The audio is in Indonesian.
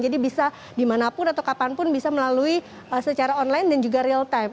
jadi bisa dimanapun atau kapanpun bisa melalui secara online dan juga real time